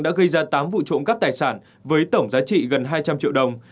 đã gây ra tám vụ trộm cắp tài sản với tổng giá trị gần hai trăm linh triệu đồng